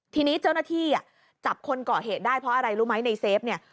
ทีนี้เจ้าหน้าที่จับคนก่อเหตุได้เพราะอะไรรู้ไหมในเฟฟเนี่ย